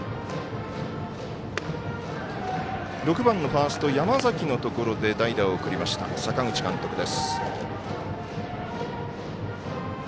６番、ファースト山崎のところで代打を送りました、阪口監督。